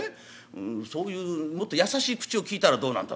そういうもっと優しい口をきいたらどうなんだ